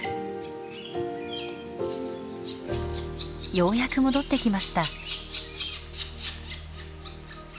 ようやく戻って来ました。